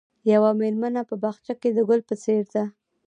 یوه مېرمنه په باغچه کې د ګل په څېر ده.